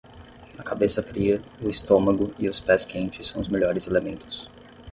A cabeça fria, o estômago e os pés quentes são os melhores elementos.